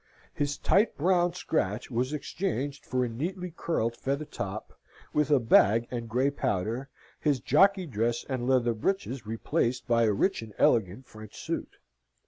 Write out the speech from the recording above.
His tight brown scratch was exchanged for a neatly curled feather top, with a bag and grey powder, his jockey dress and leather breeches replaced by a rich and elegant French suit.